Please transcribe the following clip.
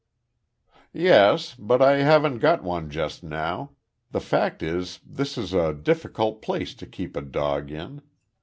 "Yes. But I haven't got one just now. The fact is this is a difficult place to keep a dog in.